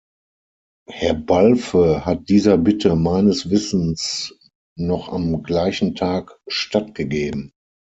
Herr Balfe hat dieser Bitte meines Wissens noch am gleichen Tag stattgegeben.